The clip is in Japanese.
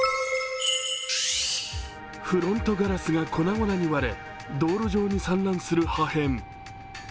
フロントガラスが粉々に割れ道路上に散乱する破片。